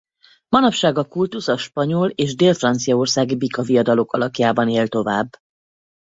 Manapság a kultusz a spanyol és dél-franciaországi bikaviadalok alakjában él tovább.